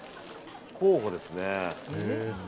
候補ですね。